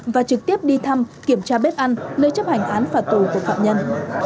và trực tiếp đi thăm kiểm tra bếp ăn nơi chấp hành án phạt tù của phạm nhân